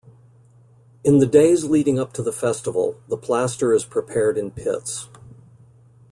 In the days leading up to the festival, the plaster is prepared in pits.